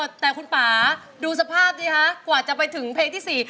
แต่คุณป่าดูสภาพสิคะกว่าจะไปถึงเพลงที่๔